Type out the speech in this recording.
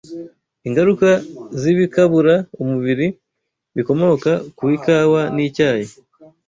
Ingaruka z’Ibikabura Umubiri Bikomoka ku Ikawa n’Icyayi